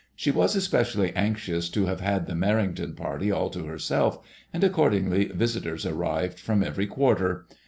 She was especially anxious to have had the Merrington party all to her self, and accordingly visitors arrived from every quarter.